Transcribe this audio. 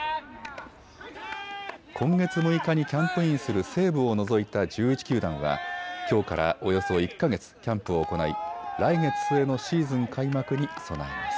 今月６日にキャンプインする西武を除いた１１球団はきょうからおよそ１か月キャンプを行い、来月末のシーズン開幕に備えます。